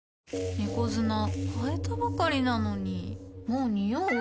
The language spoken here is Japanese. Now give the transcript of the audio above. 猫砂替えたばかりなのにもうニオう？